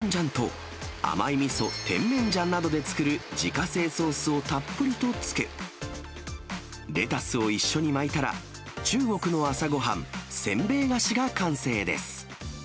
トウバンジャンと甘いみそ、テンメンジャンなどで作る自家製ソースをたっぷりとつけ、レタスを一緒に巻いたら、中国の朝ごはん、煎餅菓子が完成です。